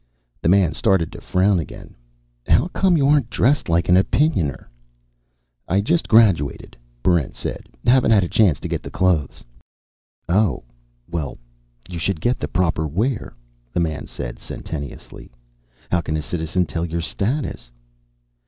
The man started to frown again. "How come you aren't dressed like an Opinioner?" "I just graduated," Barrent said. "Haven't had a chance to get the clothes." "Oh. Well, you should get the proper wear," the man said sententiously. "How can a citizen tell your status?"